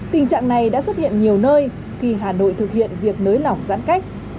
tình trạng này đã xuất hiện nhiều nơi khi hà nội thực hiện việc nới lỏng giãn cách